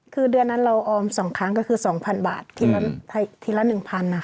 คือเดือนนั้นเราออม๒ครั้งก็คือ๒๐๐บาททีละ๑๐๐บาท